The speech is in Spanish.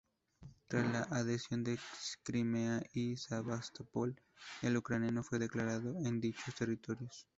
Tras la adhesión de Crimea y Sebastopol, el ucraniano fue declarado en dichos territorios.